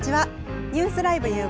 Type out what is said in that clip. ニュースＬＩＶＥ！